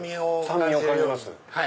酸味を感じます。